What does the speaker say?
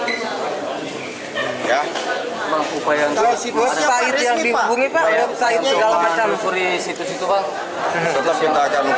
masih pemeriksaan kita si tersangka ini baru mau coba coba dan ternyata alamat yang dihubungi itu biktip